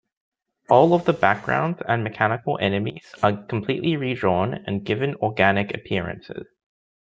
All of the backgrounds and mechanical enemies are completely redrawn and given organic appearances.